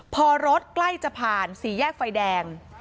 พอรถใกล้จะผ่านสี่แยกไฟแดง